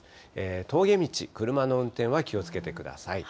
峠道、車の運転は気をつけてください。